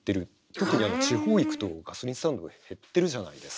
特にあの地方行くとガソリンスタンドが減ってるじゃないですか。